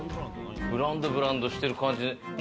ブランド、ブランドしてる感じは。